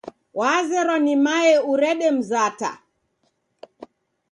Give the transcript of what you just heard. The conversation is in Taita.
Wazerwa ni mae urede mzata.